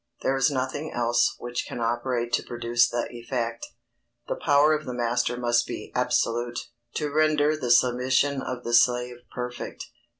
There is nothing else which can operate to produce the effect. The power of the master must be absolute, to render the submission of the slave perfect.